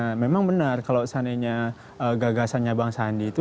nah memang benar kalau seandainya gagasannya bang sandi itu